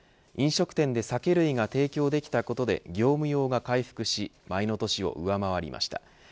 飲食店で酒類が提供できたことで業務用が回復し前の年を上回りました。